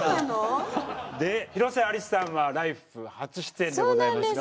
で広瀬アリスさんは「ＬＩＦＥ！」初出演でございますが。